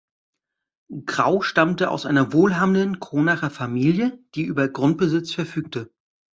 Grau stammte aus einer wohlhabenden Kronacher Familie, die über Grundbesitz verfügte.